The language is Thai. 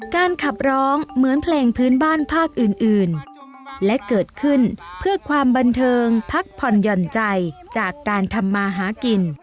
การขับร้องเหมือนเพลงพื้นบ้านภาคอื่นและเกิดขึ้นเพื่อความบันเทิงพักผ่อนหย่อนใจจากการทำมาหากิน